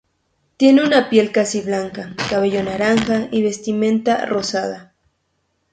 Tiene una piel casi blanca, cabello naranja y vestimenta rosada.